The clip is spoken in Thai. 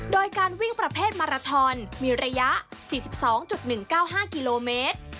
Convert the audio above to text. โดยการวิ่งประเภทมาราทอนมีระยะ๔๒๑๙๕กิโลเมตร